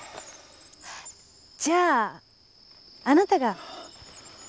じゃああなたが。